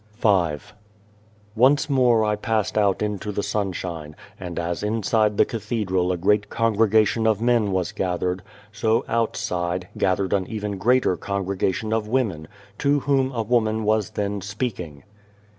'* 290 ONCE more I passed out into the sunshine, and as inside the cathedral a great congregation of men was gathered, so outside, gathered an even greater congregation of women, to whom a woman was then speaking.